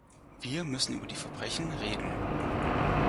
Wir müssen über die Verbrechen reden.